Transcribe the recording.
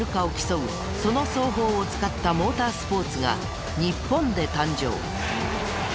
その走法を使ったモータースポーツが日本で誕生。